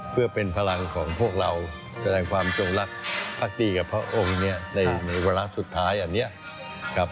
เพื่อเป็นพลังของพวกเราแสดงความจงรักภักดีกับพระองค์นี้ในวาระสุดท้ายอันนี้ครับ